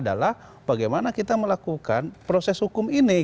adalah bagaimana kita melakukan proses hukum ini